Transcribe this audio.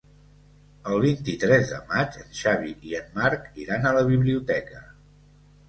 El vint-i-tres de maig en Xavi i en Marc iran a la biblioteca.